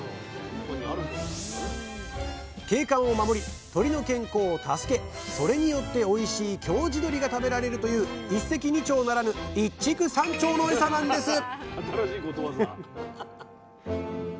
景観を守り鶏の健康を助けそれによっておいしい京地どりが食べられるという一石二鳥ならぬ「一竹三鳥」のエサなんです新しいことわざ。